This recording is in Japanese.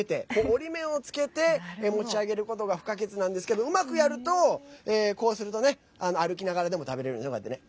折り目をつけて持ち上げることが不可欠なんですけどうまくやると、こうするとね歩きながらでも食べれるんですね。